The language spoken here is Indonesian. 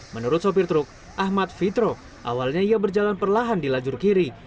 menurut sopir truk ahmad fitro awalnya ia berjalan perlahan di lajur kiri